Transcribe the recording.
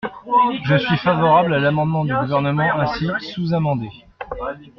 Je suis favorable à l’amendement du Gouvernement ainsi sous-amendé.